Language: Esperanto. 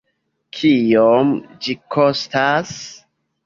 Kiom ĝi kostas?